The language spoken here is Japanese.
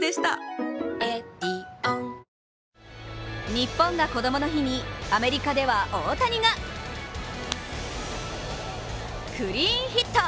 日本がこどもの日にアメリカでは大谷がクリーンヒット。